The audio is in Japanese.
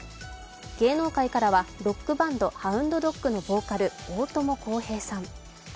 芸能界からはロックバンドＨＯＵＮＤＤＯＧのボーカル大友康平さん。